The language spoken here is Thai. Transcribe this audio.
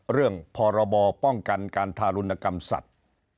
พรบป้องกันการทารุณกรรมสัตว์